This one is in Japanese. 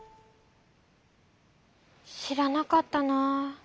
しらなかったな。